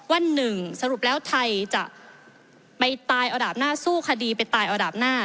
ว่าหนึ่งสรุปแล้วไทยจะไปตายเอาดาบหน้าสู้คดีไปตายเอาดาบหน้า